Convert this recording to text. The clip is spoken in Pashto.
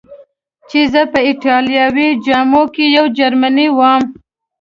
چې زه په ایټالوي جامو کې یو جرمنی ووم.